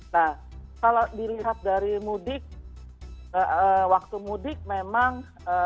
nah kalau dilihat dari mudik waktu mudik memang